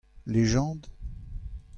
Légendes ?